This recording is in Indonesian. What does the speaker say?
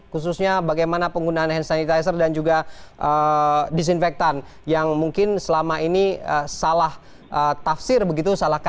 khususnya bagaimana penggunaan hand sanitizer dan juga disinfektan yang mungkin selama ini salah tafsir begitu